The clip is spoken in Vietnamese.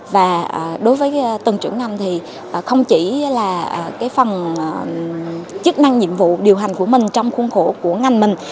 và đối với tầng trưởng ngành thì không chỉ là cái phần chức năng nhiệm vụ điều hành của mình trong khuôn khổ của ngành mình